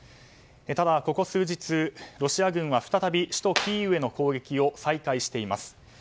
ただここ数日、ロシア軍は再び首都キーウへの攻撃を再開しています。